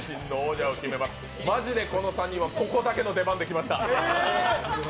マジでこの３人はここだけの出番で来ました。